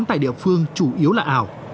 tại địa phương chủ yếu là ảo